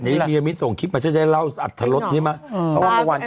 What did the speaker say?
ยะวิยะวินต์ส่งคลิปมาเชื่อเจ้าเล่าอัตรฐรดนี่ไหมอืมพี่งอพี่งอ